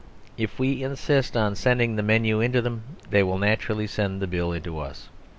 If we insist on sending the menu into them, they will naturally send the bill into us.